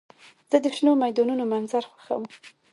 زه د شنو میدانونو منظر خوښوم.